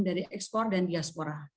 dari ekspor dan diaspora